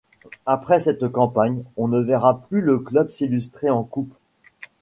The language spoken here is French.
Après cette campagne, on ne verra plus le club s'illustrer en Coupe.